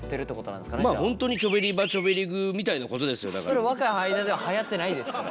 それ若い間でははやってないですそれ。